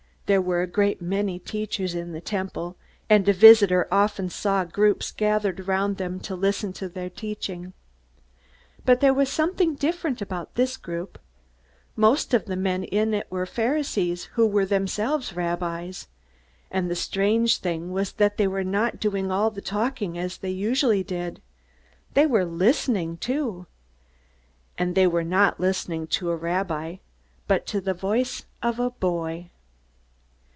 There were a great many teachers in the Temple, and a visitor often saw groups gathered around them to listen to their teaching. But there was something different about this group. Most of the men in it were Pharisees who were themselves rabbis. And the strange thing was that they were not doing all the talking as they usually did. They were listening too. And they were not listening to a rabbi, but to the voice of a boy.